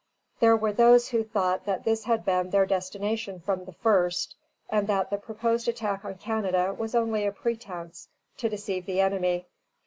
There were those who thought that this had been their destination from the first, and that the proposed attack on Canada was only a pretence to deceive the enemy.